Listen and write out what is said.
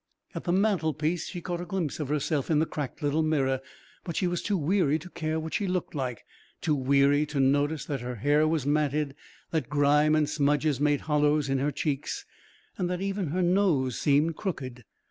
At the mantelpiece she caught a glimpse of herself in the cracked little mirror, but she was too weary to care what she looked like, too weary to notice that her hair was matted, that grime and smudges made hollows in her cheeks, and that even her nose seemed crooked.